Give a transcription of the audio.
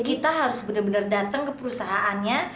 kita harus bener bener dateng ke perusahaannya